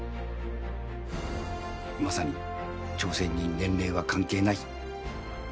まさに、挑戦に年齢は関係ない。